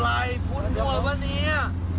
อะไรพูดมวยวะเนี้ย